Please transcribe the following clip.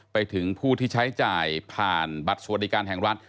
ไปถึงผู้ที่ใช้จ่ายผ่านบัตรสวัสดิการแห่งรัฐ